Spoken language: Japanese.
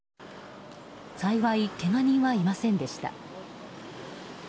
幸い、けが人はいませんでした。